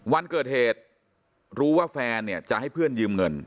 วันเกิดเหตุรู้ว่าแฟนเนี่ยจะให้เพื่อนยืมเงิน